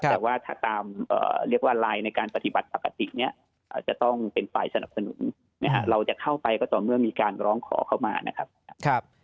แต่ว่าถ้าตามเรียกว่าลายในการปฏิบัติปกติเนี่ยจะต้องเป็นฝ่ายสนับสนุนนะฮะเราจะเข้าไปก็ต่อเมื่อมีการร้องขอเข้ามานะครับ